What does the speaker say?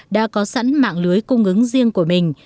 đã có sẵn mạng lưới cung ứng riêng của mình